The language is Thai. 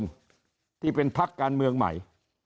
ที่เป็นพักการเมืองใหม่